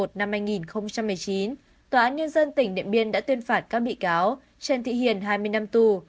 tòa án nhân dân tỉnh điện biên đã tuyên phạt các bị cáo trần tị hiền hai mươi năm tù